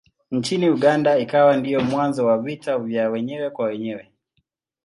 Nchini Uganda ikawa ndiyo mwanzo wa vita vya wenyewe kwa wenyewe.